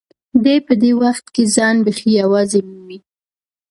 دی په دې حالت کې ځان بیخي یوازې مومي.